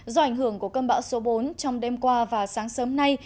do ảnh hưởng của cơn bão số bốn trong đêm qua và sáng sớm nay